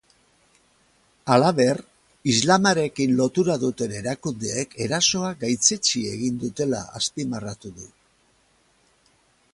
Halaber, islamarekin lotura duten erakundeek erasoa gaitzetsi egin dutela azpimarratu du.